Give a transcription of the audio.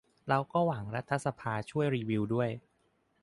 เราก็หวังรัฐสภาช่วยรีวิวด้วย